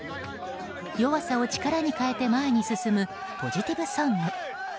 弱さを力に変えて前に進むポジティブソング。